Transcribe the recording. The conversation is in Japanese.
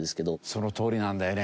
そのとおりなんだよね。